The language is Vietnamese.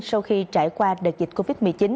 sau khi trải qua đợt dịch covid một mươi chín